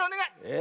え？